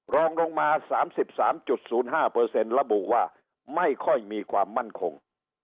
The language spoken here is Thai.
รองลงมา๓๓๐๕ระบุว่าไม่ค่อยมีความมั่นคง